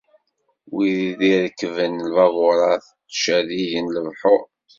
Wid irekkben lbaburat, ttcerrigen lebḥur.